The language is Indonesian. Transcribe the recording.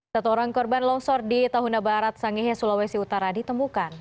satu orang korban longsor di tahuna barat sangihe sulawesi utara ditemukan